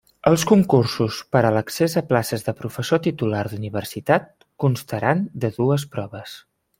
Els concursos per a l'accés a places de professor titular d'universitat constaran de dues proves.